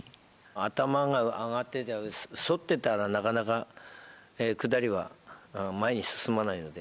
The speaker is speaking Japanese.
頭が上がってて反ってたら、なかなか下りは前に進まないので。